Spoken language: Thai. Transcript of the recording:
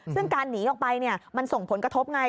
ซึ่งการหนีออกไปมันส่งผลกระทบไง